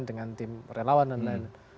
dengan tim relawan dan lain